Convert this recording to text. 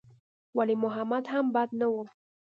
ولي محمد هم بد نه و.